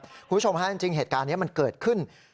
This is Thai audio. คุณผู้ชมฮะจริงเหตุการณ์นี้มันเกิดขึ้น